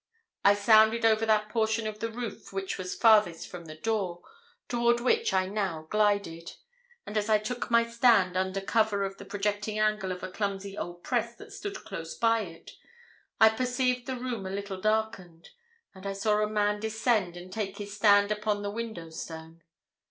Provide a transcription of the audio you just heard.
It sounded over that portion of the roof which was farthest from the door, toward which I now glided; and as I took my stand under cover of the projecting angle of a clumsy old press that stood close by it, I perceived the room a little darkened, and I saw a man descend and take his stand upon the window stone.